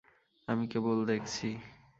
আমি কেবল দেখছি।